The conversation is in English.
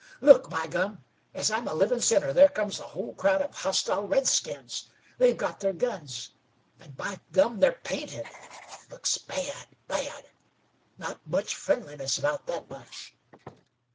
"Look! By gum! As I'm a livin' sinner there comes the whole crowd of hostile redskins. They've got their guns, and by Gum! they're painted. Looks bad, bad! Not much friendliness about that bunch!"